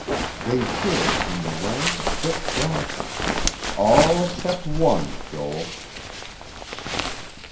They hid in the rank, thick grasses. All except one, Joel."